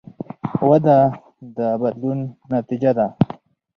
وده د بدلون نتیجه ده.